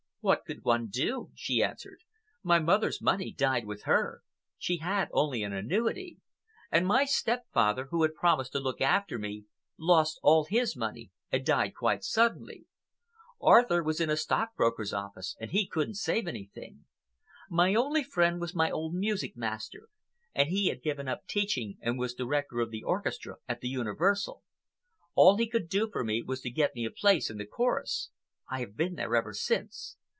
"What could one do?" she answered. "My mother's money died with her—she had only an annuity—and my stepfather, who had promised to look after me, lost all his money and died quite suddenly. Arthur was in a stockbroker's office and he couldn't save anything. My only friend was my old music master, and he had given up teaching and was director of the orchestra at the Universal. All he could do for me was to get me a place in the chorus. I have been there ever since.